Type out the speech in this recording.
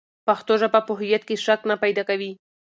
پښتو ژبه په هویت کې شک نه پیدا کوي.